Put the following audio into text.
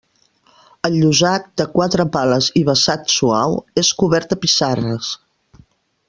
El llosat, de quatre pales i vessant suau, és cobert de pissarres.